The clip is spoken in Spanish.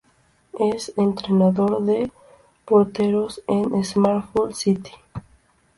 Es entrenador de porteros en el Salford City.